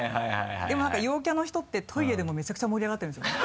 でも何か陽キャの人ってトイレでもめちゃくちゃ盛り上がってるんですよね。